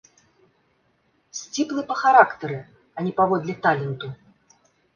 Сціплы па характары, а не паводле таленту.